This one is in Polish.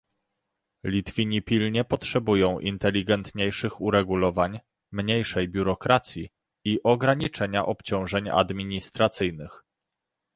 Litwini pilnie potrzebują inteligentniejszych uregulowań, mniejszej biurokracji i ograniczenia obciążeń administracyjnych